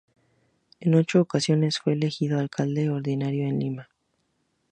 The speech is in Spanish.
En ocho ocasiones fue elegido alcalde ordinario de Lima.